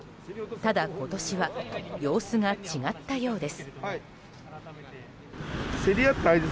ただ、今年は様子が違ったようです。